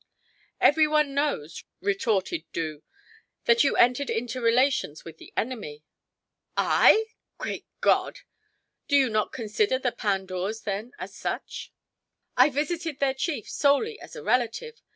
"Every one knows," retorted Boo, "that you entered into relations with the enemy." "I? Great God!" "Do you not consider the Pandours, then, as such?" "I visited their chief solely as a relative.